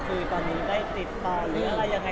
คือตอนนี้ได้ติดต่อหรืออะไรยังไง